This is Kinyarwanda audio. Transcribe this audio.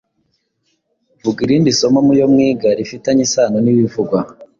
Vuga irindi somo mu yo mwiga rifitanye isano n’ibivugwa